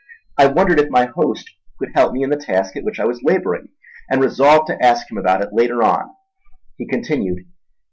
I wondered if my host could help me in the task at which I was labouring, and resolved to ask him about it later on. He continued.